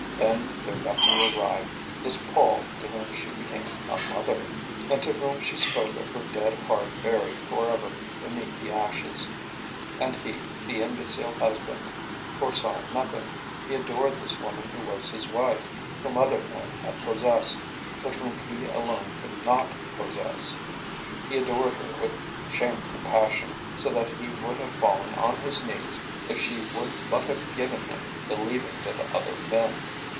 Then their nephew arrived, this Paul to whom she became a mother, and to whom she spoke of her dead heart buried for ever beneath the ashes. And he, the imbecile husband, foresaw nothing; he adored this woman who was his wife, whom other men had possessed, but whom he alone could not possess! He adored her with shameful passion, so that he would have fallen on his knees if she would but have given him the leavings of other men!